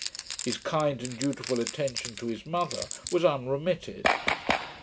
His kind and dutiful attention to his mother was unremitted.